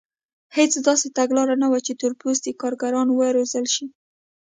هېڅ داسې تګلاره نه وه چې تور پوستي کارګران وروزل شي.